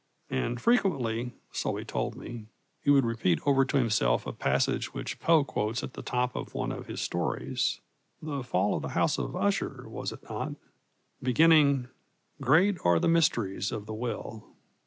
And frequently, so he told me, he would repeat over to himself a passage which Poe quotes at the top of one of his stories The Fall of the House of Ussher, was it not? beginning "Great are the mysteries of the will."